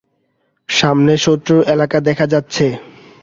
সামনে শত্রুর এলাকা দেখা যাচ্ছে।